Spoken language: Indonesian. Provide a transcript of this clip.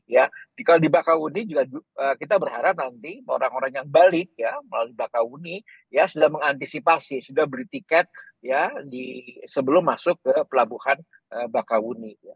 ya kalau di bakauni juga kita berharap nanti orang orang yang balik ya melalui bakauni ya sudah mengantisipasi sudah beli tiket ya sebelum masuk ke pelabuhan bakahuni